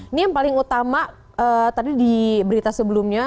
ini yang paling utama tadi di berita sebelumnya